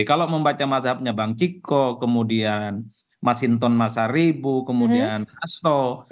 kalau membaca mazhabnya bang ciko kemudian mas hinton masaribu kemudian asto